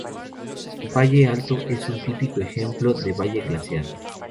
Su valle alto es un típico ejemplo de valle glaciar.